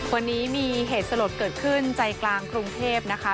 วันนี้มีเหตุสลดเกิดขึ้นใจกลางกรุงเทพนะคะ